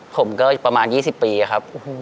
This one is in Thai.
ผมก็ประมาณ๒๐ปีครับ